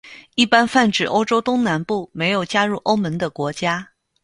一般泛指欧洲东南部没有加入欧盟的国家。